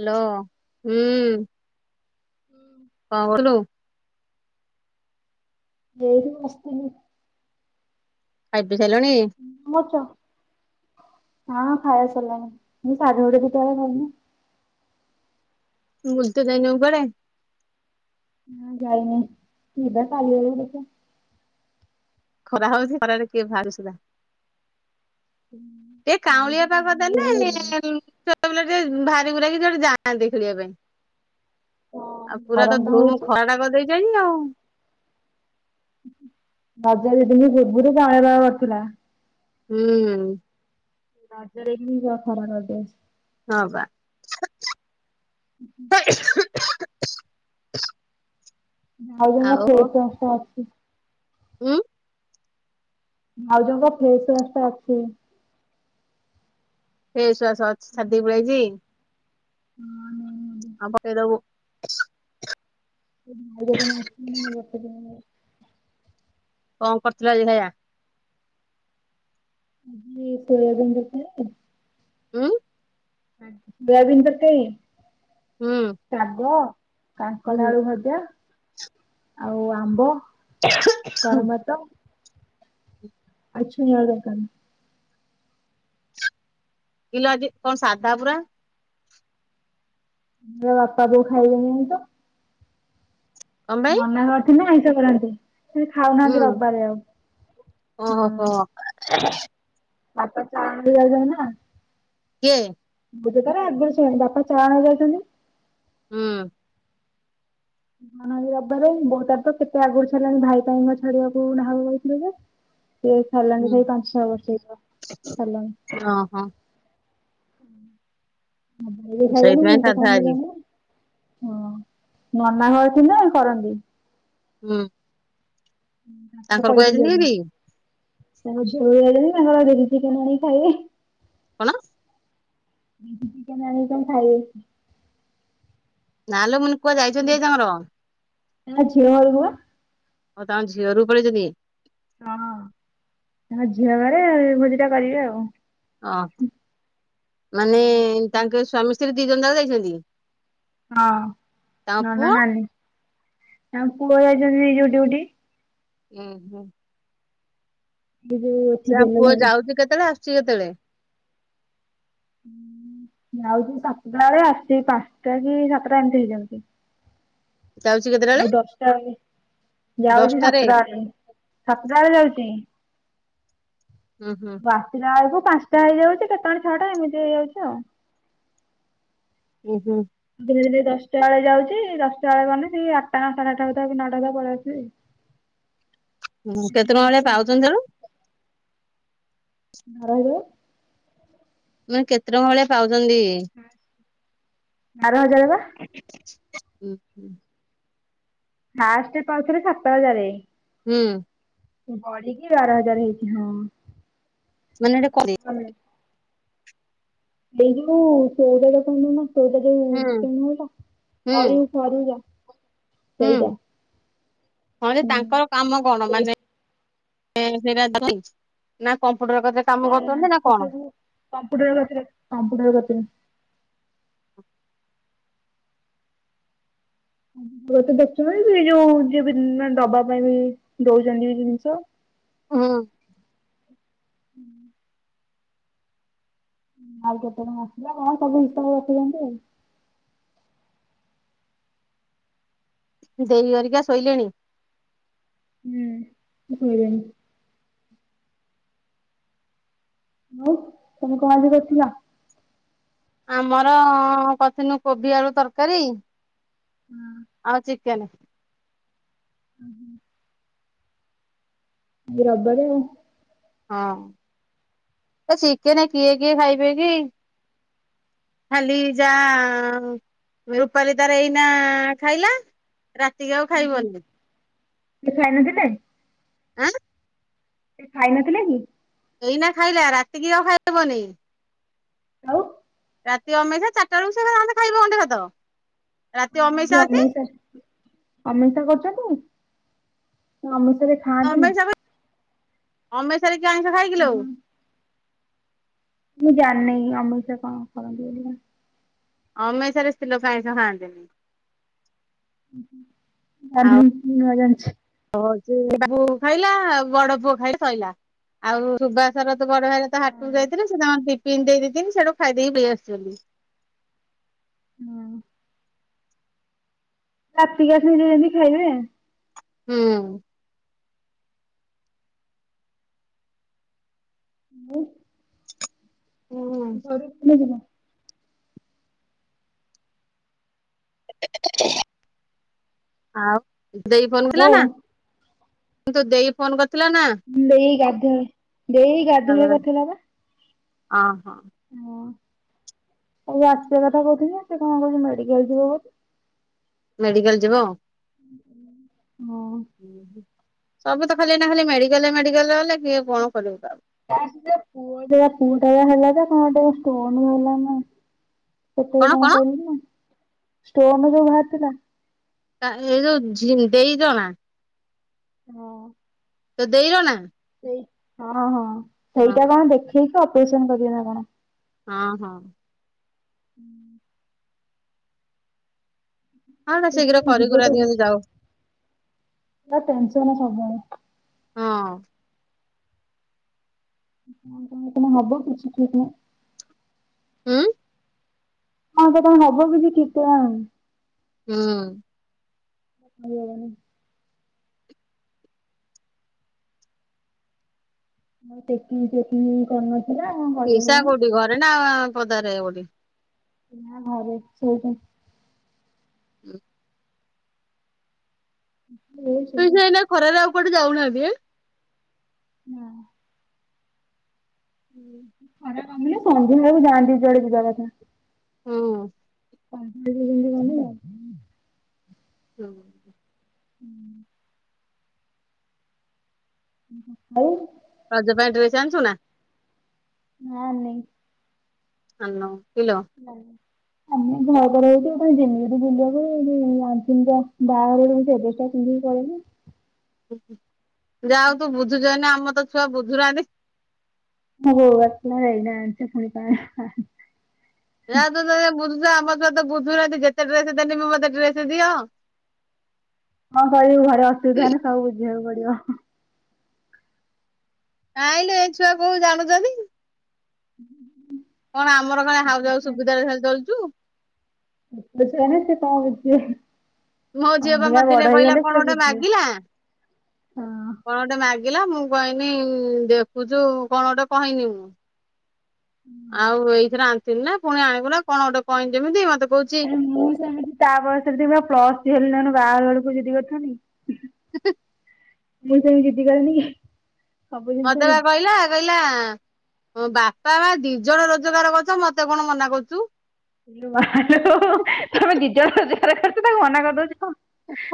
Hello [inaudible] ଙ୍କ କରଥିଲୁ। ଏଇ ବସିଥିଲି। ଖାଇ ପି ସାଇଲଣି। ଙ୍କ କରଚ ତୁ ବୁଲତେ ଜାଇନଉ କୁଆଡେ। ନା ଯାଇନେଇ ଜିବା କାଲି ଆଡ଼କୁ ଦେଖିଆ। ଖରା ହଉଛି ଖରାରେ କିଏ ବାହାରୁଛି ବା। ଏଇ କାଉଁଳିଆ ପାଗଦେଲେ ଏ ସେ। ଏତେ ବେଳେ ଟିକେ ଭାରିଭୁରାକି ଜଦି ଯାଆନ୍ତେ ଖେଳିବା ପାଇଁ। ଆଉ ପୁରା ତ ଗରମ ଟା ଧୁମୁ ହଉଛି ଖରା ଟା କରିଦେଇଚି ଆଜି ଆଉ। [inaudible] ହୁଁଉଁ। [inaudible] ହଁ ପା। ହୁଁ ହୁଁ। ଆଉ ଜମା [unintelligible] ଅଛି। ଉଁ। ଭାଉଜଙ୍କ ଫେସୱାସ୍ ଟା ଅଛି। ଫେସୱାସ ଅଛି ଛାଡଦେଇ ପଳିଆଇଛି। ଉଁ ଆ ପକେଇ ଦେବୁ। [unintelligible] କଣ କରିଥିଲ ଆଜି ଖାଇବା? [unintelligible] ଉଁ? ଶୋୟାବିନ ତରକାରି ହୁଁ ଶାଗ। କାଙ୍କଡ଼ ଆଳୁ ହୁଁ ଭଜା ଆଉ ଆମ୍ବ। କରମ ଭାତ। ଆଉ ଛୁଇଁ ଆଳୁ ତରକାରୀ। କିଲୋ ଆଜି କଣ ସାଧା ପୁରା? ମୋ ବାପା ବୋଉ ଖାଇବେନି ଆଇଁଷ। କଣ ପାଇଁ ନନା ଘର ଥିନେ ଆଇଁଷ କରନ୍ତି ସେ ହୁଁ ଖାଉନାହାନ୍ତି ରବିବାରେ ଆଉ ହଁ। ଓହୋ [inaudible] ବାପା ଚାଳି ଆଉଜାଉନା। କିଏ? [unintelligible] ବାପା ଚାଣ ଯାଉଚନ୍ତି। ହୁଁ। ମାହାଳି ରବିବାରେ ବୋଉ ତାର ତ କେତେ ଆଗରୁ ଛାଡ଼ିଲାଣି ଭାଇ ପାଇଁ [unintelligible] ସେ ଛାଡ଼ିଲାଣି ହୁଁ ହେଇ ପାଞ୍ଚ ଛଅ ବର୍ଷ ହେଇ ଯିବ ଛାଡ଼ିଲାଣି। ଅଁ ହଁ। ସେଇଥିପାଇଁ ସାଧା ଆଜି [unintelligible] ହଁ ନନା ଘର ଥିଲେ କରନ୍ତି। ହୁଁ। ତାଙ୍କର କୁଆ ଯାଇଛନ୍ତି [unintelligible] କି ଚିକେନ୍ ଆଣିକି ଖାଇବେ। କଣ? ଆଜି ଚିକେନ୍ ଆଣିବି ତମେ ଖାଇବ କି? ନାଲୋ ମୁଁ କନି କୁଆଡ଼େ ଯାଇଛନ୍ତି ଆଜି ତାଙ୍କର? ତା ଝିଅ ଘରକୁ ବା। ଓ ତାଙ୍କ ଝିଅ ଘରଜୁ ପାଳେଇଛନ୍ତିି। ହଁ ତାଙ୍କ ଝିଅ ଘରେ ଭୋଜିଟା କରିବେ ଆଉ। ଅ ହ ମାନେ ତାଙ୍କ ସ୍ୱାମୀ ସ୍ତ୍ରୀ ଦି ଜଣ ଯାକ ଯାଇଛନ୍ତି। ହଁ ତାଙ୍କ ନନା ପୁଅ ନାନୀ ତାଙ୍କ ପୁଅ ଯାଇଛନ୍ତି ଯଉ ଡିଉଟି। ଉଁ ହୁଁ। ହି ଯଉ ସେ ଆମ ପୁଅ ଯାଉଚି କେତେଳେ ଆସୁଚି କେତେଳେ? ଯାଉଚି ସାତଟା ବେଳେ ଆସୁଚି ପାଞ୍ଚଟା କି ସାତଟା ଏମିତି ହେଇଯାଉଚି। ଯାଉଚି କେତେଳେ? ଆଉ ଦଶଟା ଅଳେ ଯାଉଚି ଦଶଟାରେ ସାତୁଟା ଆଳେ ସାତୁଟା ଆଳେ ଯାଉଚି। ଉଁ ହୁଁ। ଆସିଲା ଆଳକୁ ପାଞ୍ଚଟା ହେଇଯାଉଚି କେତେବେଳେ ଛଅଟା ଏମିତି ହେଇଆଉଚି ଆଉ। ଉଁ ହୁଁ। ଦିନେ-ଦିନେ ଦଶଟା ଆଳେ ଯାଉଚି ଦଶଟା ଆଳେ ଗନେ ସେ ଆଟା ନଟା ସାଢେ ଆଟଟା ସୁଧା କି ନଅଟା ସୁଧା ପଳେଇ ଆସୁଚି। ହୁଁ କେତେ ଟଙ୍କା ନଅଟା ବଳିଆ ସୁଦ୍ଧା ପାଉଚନ୍ତି ସେଳୁ? ବାର ହଜାର। ମୁଁ କହିନି କେତେ ଟଙ୍କା ଭଳିଆ ପାଉଚନ୍ତି? ବାର ହଜାର ପା। ଉଁ ହୁଁ। ଫାଷ୍ଟେ ପାଉଥିଲେ ସାତ ହଜାରେ। ହୁଁ। ବଢିକି ବାର ହଜାର ହେଇଚି ହଁ। ମାନେ ଏଟା କଉଁତି। [unintelligible] ଗଲେ। ଏଇ ଯୋଉ ଚଉଦ [unintelligible] ନା ଚଉଦ ଯଉ ହୁଁ ଭୁଟିଂ ହେଲା ହୁଁ ସରୁ-ସରୁ ଯା। ହୁଁ ହଁ ଯେ ହୁଁ ତାଙ୍କର କାମ କଣ ସେଇ ମାନେ ସେଟା [unintelligible] ନା କମ୍ପୁଟର କାମ କରୁଛନ୍ତି ନା କଣ? କମ୍ପ୍ୟୁଟର ପାଖରେ କମ୍ପ୍ୟୁଟର କରୁଛନ୍ତି। [unintelligible] ଦେଖୁଛନ୍ତି ଯୋଉ ଯିଏ ବି ଦବା ପାଇଁ ବି ଦଉଛନ୍ତି ବି ଜିନିଷ। ହୁଁ। ଆଉ କେତେ ଟଙ୍କା ଆସିଲା କଣ ସବୁ ହିସାବ ରଖିଛନ୍ତି ଆଉ। ଦେଇ ହେରିକା ଶୋଇଲେଣି? ହୁଁ। ସୋଇଲେଣି। ଆଉ ତମେ କଣ ଆଜି ଦେଖିଲ? ଆମର କରୁଥିଲୁ କୋବି ଆଳୁ ତରକାରୀ। ହୁଁ। ଆଉ ଚିକେନ। ହୁଁ ହୁଁ। ରବିବାରେ ଆଉ। ହଁ ତ ଚିକେନ କିଏ କିଏ ଖାଇବେ କି? ଖାଲି ଯା ରୂପାଲି ତାର ଏଇନା ଖାଇଲା। ରାତିକି ଆଉ ଖାଇବନି। ସେ ଖାଇ ନଥିଲେ? ଏଁ। ସେ ଖାଇ ନଥିଲେ କି? ଏଇନା ଖାଇଲା ରାତି କିି ଆଉ ଖାଇବନି। ଆଉ ରାତି ଅମେଇଶା ଚାରିଟା ବେଳକୁ ସେଥାନ୍ତ ଖାଇବ ଗଣ୍ଡେ ଭାତ। ରାତି ହଁ ଅମେଇସା ଯେ ଅଛି ଅମେଷା ଅମଷା କରୁଛନ୍ତି ସେ ଅମଷ ରେ ଅମେଶ ମ ଅମିଷାରେ କିଏ ଆଇଁଷ ଖାଏ କିଲୋ? ମୁଁ ଜାଣିନି ଅମେଶା କଣ କରନ୍ତି ବୋଲି? ଅମେଶାରେ ସ୍ତି ଲୋକ ଆଇଁସ ଖାଆନ୍ତିନି। ଆଉ ଆଜଣିଛି [unintelligible] ହଉଛି ବାବୁ ଖାଇଲା ଆ ବଡ ପୁଅ ଖାଇ ସଇଲା ଆଉ ସୁବାସର ତ ବଡ ଭାଗେ ହାଟକୁ ହଁ ଯାଇଥିଲେ ସେ ତାଙ୍କ ଟିପିନନ୍ ଦେଇଥିଲି ସେଠୁ ଖାଇଦେଇକି ଦେଇ ଆସିଛନ୍ତି। ହଁ। ରାତିକି ଆସି ଯେମିତି ଖାଇବେ। ହୁଁ। ଉଁ ହୁଁ। ହୁଁ। ଘର ଥିଲେ କିିବା [unintelligible] ଆଉ ଦେଇ ଫୋନ ଥିଲା ବୋଉ ନା? କି ଦେଇ ଫୋନ କରିଥିଲ ନା? ଦେଇ ଗାଧୁଆଳେ ଦେଇ ଗାଧୁଆଳେ [unintelligible] ଅ ହଁ। ଓ ଆଉ ଆସିବା କଥା କହୁଥିଲେ ସେ କଣ କହୁଛି ମେଡିକାଲ ଯିବ ବୋଲି। ମେଡିକାଲ ଯିବ? ହଁ। ଆଉ। ସବୁ ତ ଖାଲି ଏଇନା ଖାଲି ମେଡିକାଲ ମେଡିକାଲ ଗଲେ କିଏ କଣ କରିବୁ କାହାକୁ ପୁଅ ଟ ପୁଅ ଟା ହେଲା ନା କଣ ଗୋଟେ ଷ୍ଟୋନ ବାହାରିଲା ନା ସେତ କଣ କହିଲି ନା ଷ୍ଟୋନ ଯୋଉ ବାହାରିଥିଲା। ଏଇ ଯୋଉ ଝି ଦେଇର ନା ହଁ। ତୋ ଦେଇ ର ନା। ସେଇ ହଁ ହଁ ହଁ ସେଇଟା କଣ ଦେଖେଇକି ଅପରେସନ କରିବେ ନା କଣ? ହଁ ହଁ। ହୁଁ। ହଁ ନା ଶୀଘ୍ର ଯିବ କରିିକରା ଦିଅନ୍ତୁ ଯାଉ। ନା ଟେନସନ ସବୁବେଳେ। ହଁ। କଣ କଣ ହବ କିଛି ଠିକ୍ ନାହିଁ। ହୁଁ। ହଁ ତ ତା ହବ କିଛି ଠିକଣା ନାହିଁ। ହୁଁ। କହିହବନି। ଚେକିଂ ଚେକିଂ କରିନ ପିଇସା କୋଉଠି ଘରେ ନା ପଦାରେ କୋଉଠି। ନାଁ ଘରେ ସୋଇଛନ୍ତି। ହୁଁ। ହୁଁ [inaudible] ପିଇସା ଏଇନାଖରାରେ ଆଉ କୁଆଡେ ଯାଉନାହାନ୍ତି। ନାଁ। ହୁଁ [inaudible] [unintelligible] ଖରା କମିଲେ? ସନ୍ଧ୍ୟା ବେଳକୁ ଯାଆନ୍ତି ଯୁଆଡେ ଯିବା କଥା। ହୁଁ। ପାିଧତି କନି ଆଉ [inaudible] ହୁଁ। ହୁଁ। ଆଉ। ରଜ ପାଇଁ ଡ୍ରେସ୍ ଆଣିଚୁ ନାଁ? ନାଁ ନେଇ। ଅନ୍ ନଉ କିଲୋ। ନାଇଁ। ଆମେ ବାହା ଘର ହଉଛି କାଇଁ ଯିମୁ ଯଦି ବୁଲିବାକୁ ଆଞ୍ଚିନ ଯାହା ବାହାଘର ବେଳକୁ ଏବେ ସ୍ତ। କଣ କ ହିଲୁ [inaudible] ଯାହା ହଉ ତୁ ବୁଝୁଛୁ ଏଇନା ଆମର ତ ଛୁଆ ବୁଝୁନାହାନ୍ତି। ଓହୋ ଆଛା ଏଇନା ଆଣିଛ ଫୁଣୀ ପା ନା ତ ବୁଝୁଛ ଆମ ସତ ବୁଝୁନାହାନ୍ତି ଯେତେ ଡ୍ରେସ ଦେେଲିମ ମତେ ଡ୍ରେସ ଦିଅ। [unintelligible] କଣ କହିବୁ ଘରେ ଅସୁବିଧା ହେନେ ସବୁ ବୁଝିବାକୁ ପଡିବ। ନାଇଁ ଲୋ ଏ ଛୁଆ କୋଉ ଜାଣୁଛନ୍ତି। ହଁ କଣ ଆମର କାଳେ ହାଉ ଯାଉ ସୁବିଧାରେ ଖାଲି ଚଳୁଛୁ। ସେନ ସେ କଣ [inaudible] ମୋ ଆମ ଝିଅ ବା ଭଳିଆ ମତେ ବଡ ଦିନେ କହିଲା ହେଇଗଲେ କଣ ସେ ଗୋଟେ ବୁଝିବେ ମାଗିଲା। ହଁ କଣ ଗୋଟେ ମାଗିଲା ମୁଁ କହିନି ଦେଖୁଛୁ କଣ ଗୋଟେ କହିନି ମୁଁ ହୁଁ ଆଉ ଏଇଥିରେ ଆଣିଥିଲି ନା ପୁଣି ଆଣ ଗୁ ନା କଣ ଗୋଟେ କହନି ଯେମିତି ମତେ କହୁଛି ଆରେ ମୁଁ ସେମିତି ତା ବୟସରେ ଥିବା ପ୍ଲସ ହେଲିଲେଣୁ ବାହାଘର ବେଳକୁ ଜିଦି କରୁଥି ଲି। ସେତ [unintelligible] ମୁଁ ସେମିତି ଜିଦି କରେନି କି। ସବୁ ମତେ ଜିନିଷରେ ବା କହିଲା କହିଲା ବାପା ମା ଦି ଜଣ ରୋଜଗାର କରଛ ମତେ କଣ ମନା କରୁଛୁ। ଇ ଲୋ ମାଲୋ ତମେ ଦିଜ ରୋଜଗାର କରୁଛ ତାକୁ ମନା କରିଦଉଛ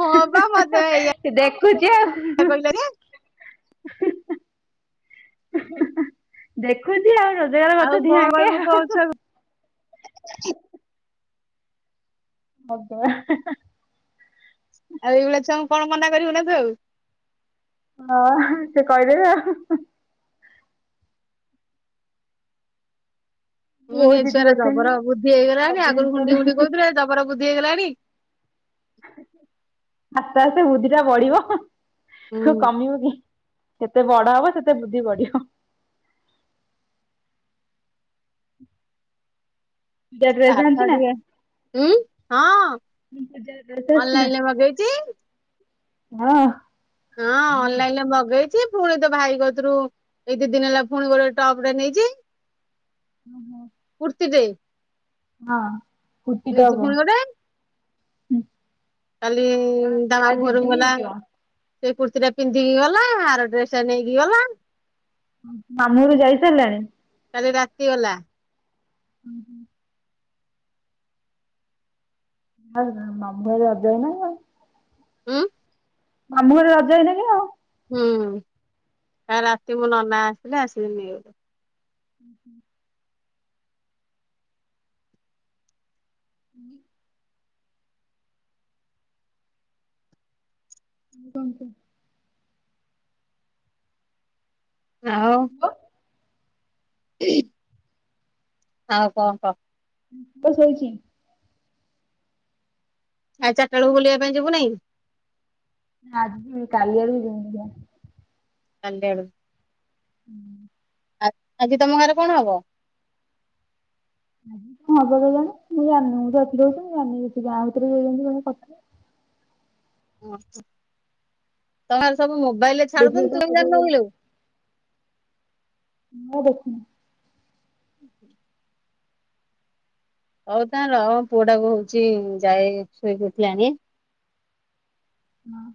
ହଁ ବା ମତେ ଏଇଆ ସେ ଦେଖୁଛି ଆଉ। କହିଲା ଯେ ଦେଖୁଛି ଆଉ ରୋଜଗାର ଆଉ କରୁଛ ଦି କଣ ଆଙ୍କେ କହିବୁ କଣ ଆଉ। ଛୁଆକୁ ହବା ଆଉ ଏଇଭଳିଆ ଛୁଆକୁ କଣ ମନା କରିବୁ ନା ତ ଆଉ। ହଁ ସେ କହିଦେବେ ଆଉ। ହୁଁ ବହୁତ ଏ ଜିଦି ଛୁଆର କରୁଛନ୍ତି ଜବର ନା। ବୁଦ୍ଧି ହେଇଗଲାଣି। ସବୁ ଆଗରୁ ଜିନିଷରେ ଗୁଣ୍ଡି ଗୁଣ୍ଡି କହୁଥିଲେ ଜବର ବୁଦ୍ଧି ହେଇଗଲାଣି। ଆସ୍ତେ ଆସ୍ତେ ବୁଦ୍ଧିଟା ବଢିବ ହୁଁ କମିବ କି? ସେତେ ବଡ ହବ ସେତେ ବୁଦ୍ଧି ବଢିବ। ଏମିଆ ଡ୍ରେସ୍ ପାଠ ଆଣି‌ଛି ନା? ଟିକେ ଉଁ ହଁ ପୂଜା ଡ୍ରେସ ଆସିଛି ନା? ଅନଲାଇନରେ ମଗେଇଚି। ହଁ। ହଁ ଅନଲାଇନରେ ମଗେଇଚି ପ୍। ପୁଣି ତୋ ଭାଇ କତିରୁ ଏଇ ଦି ଦିନ ହେଲା ଫୁଣି ଗୋଟେ ଟପଟେ ନେଇଚି। ହୁଁ ହୁଁ। କୁର୍ତ୍ତିଟେ। ହଁ କୁର୍ତ୍ତି ନେଇଛି ଟପ। ପୁଣି ଗୋଟେ କାଲି ତା ମାମୁଁ ଘରକୁ ଗଲା। ହେଇଯିବ। ସେ କୁର୍ତ୍ତିଟା ପିନ୍ଧିକି ଗଲା। ଆର ଡ୍ରେସଟା ନେଇକି ଗଲା। ଉଁ ମାମୁଁ ଘରୁକୁ ଯାଇ ସାରିଲାଣି? କାଲି ରାତି ଗଲା। ହୁଁ ହୁଁ। [unintelligible] ମାମୁଁ ଘରେ ଅଜାକୁ ନାହିଁ ଆଉ। ଉଁ? ମାମୁଁ ଘରେ ରଜା ହେଇନା କି ଆ। ହୁଁ ତା ରାତିକୁ ନନା ଆସଥିଲା ଆସିକି ନେଇଗଲେ। ହୁଁ ହୁଁ। [inaudible] ହୁଁ। [inaudible] ଉଁ କହନ୍ତୁ। ଆଉ। ଇ ଆଉ କଁ କହ। ପୁଅ ଶୋଇଚି? ଆଉ ଚାରଟା ବେଳକୁ ବୁଲିବା ପାଇଁ ଯିବୁ ନାଇଁ? ଆଜ ଯିବିନି କାଲିଆଡକୁ ଯିମି ଦେଖିବା। ସନ୍ଧ୍ୟା ବେଳୁ ହୁଁ। ଆ ଆଜି ତମ ଘରେ କଣ ହବ? କଁ ହବ କେଜାଣି ମୁଁ ଜାଣିନି ମୁଁ ତ ଏକୁଟିଆ ରହୁଛି ମୁଁ ଜାଣିନି କିଛି ଗାଁ ଭିତରେ ଯିଏ ଯେମିତି କଣ କରିଥିବେ। ତମର ସବୁ ମୋବାଇଲରେ ଦେଖିଲେ ଛାଡୁଛନ୍ତି ତ ତୁ କାଇଁ ହବ ଜାଣନୁ ବୋଲି କିଲେ।। ମୁଁ ଆଉ ଦେଖୁନି। ହଉ ତା ରହ ପୁଅଟାକୁ ହଉଚି ଯାଏ ଶୋଇକି ଉଠିଲାଣି। ହଁ।